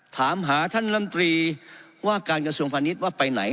ถามหาท่านลำตรีว่าการกระทรวงพาณิชย์ว่าไปไหน